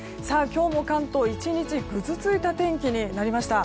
今日も関東は１日ぐずついた天気になりました。